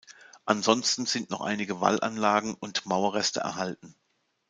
Ansonsten sind noch einige Wallanlagen und Mauerreste erhalten.